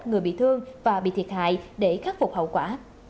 người bị thương và bị thiệt hại để khắc phục hậu quả